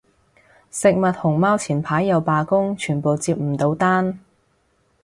食物熊貓前排又罷工，全部接唔到單